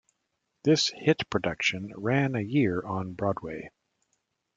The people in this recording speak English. This hit production ran a year on Broadway.